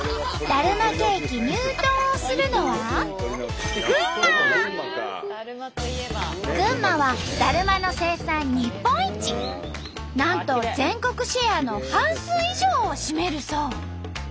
だるまケーキ入刀をするのは群馬はなんと全国シェアの半数以上を占めるそう。